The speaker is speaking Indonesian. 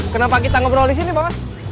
kenapa kita ngobrol disini pak